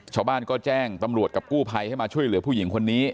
ชาวบ้านก็แจ้งตำรวจกับกู้ภัยให้มาช่วยเหลือผู้หญิงคนนี้